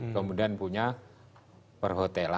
kemudian punya perhotelan